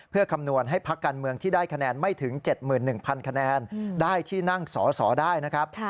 เพื่อคำนวณให้พักการเมืองที่ได้คะแนนไม่ถึง๗๑๐๐คะแนนได้ที่นั่งสอสอได้นะครับ